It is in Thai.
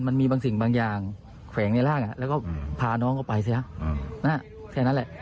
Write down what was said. มันมีบางสิ่งบางอย่างแขวงในร่างแล้วก็พาน้องเขาไปเสียแค่นั้นแหละ